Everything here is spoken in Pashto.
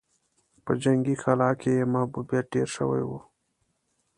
په جنګي کلا کې يې محبوبيت ډېر شوی و.